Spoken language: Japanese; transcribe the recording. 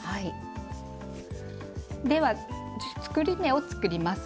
では作り目を作ります。